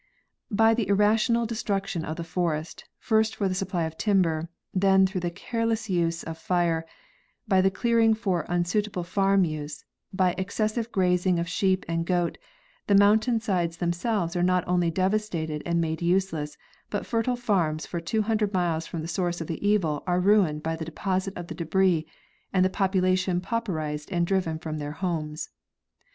By the irrational destruction of the forest, first for the supply of timber, then through the careless use of fire, by the clearing for unsuitable farm use, by excessive grazing of sheep and goat, the mountain sides themselves are not only devastated and made useless, but fertile farms for 200 miles from the source of the evil are ruined by the deposit of the débris, and the population pauperized and driven from their homes.